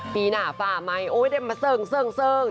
ปีหน้าฝ่าไม้โอ้ยเด็ดมาเสิร์ก